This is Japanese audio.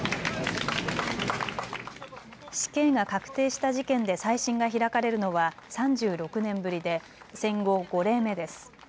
死刑が確定した事件で再審が開かれるのは３６年ぶりで戦後５例目です。